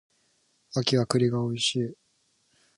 秋は栗が美味しい